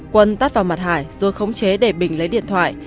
quân tắt vào mặt hải rồi khống chế để bình lấy điện thoại